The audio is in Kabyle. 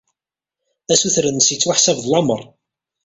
Assuter-nnes yettwaḥseb d lameṛ.